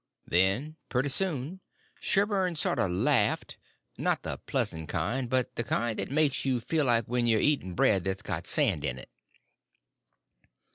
Then pretty soon Sherburn sort of laughed; not the pleasant kind, but the kind that makes you feel like when you are eating bread that's got sand in it.